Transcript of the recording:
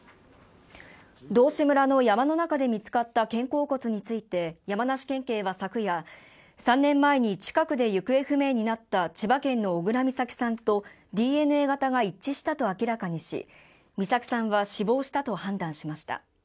道志村の山の中で見つかった肩甲骨について山梨県警は昨夜３年前に近くで行方不明になった千葉県の小倉美咲さんとＤＮＡ型が一致したと明らかにし、美咲さんは死亡したと判断しました。